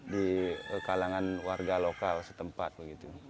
di kalangan warga lokal setempat begitu